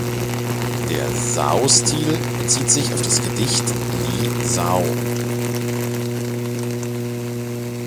Der Sao-Stil bezieht sich auf das Gedicht Li Sao.